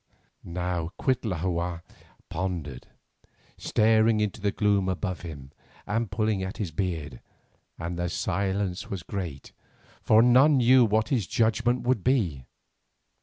Now Cuitlahua pondered, staring into the gloom above him and pulling at his beard, and the silence was great, for none knew what his judgment would be.